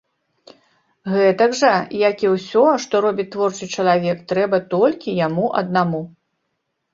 Гэтак жа, як і ўсё, што робіць творчы чалавек, трэба толькі яму аднаму.